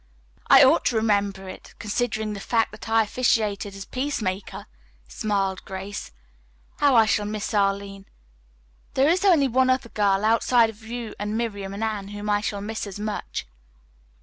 "I ought to remember it, considering the fact that I officiated as peace maker," smiled Grace. "How I shall miss Arline. There is only one other girl, outside of you and Miriam and Anne, whom I shall miss as much."